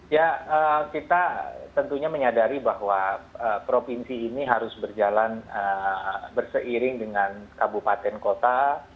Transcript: ya kita tentunya menyadari bahwa provinsi ini harus berjalan berseiring dengan kabupaten kota